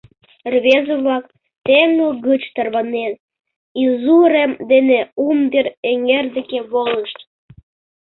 Рвезе-влак, теҥгыл гыч тарванен, изурем дене Умдыр эҥер деке волышт.